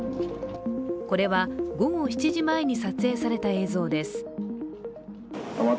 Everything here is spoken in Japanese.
これは午後７時前に撮影された映像です。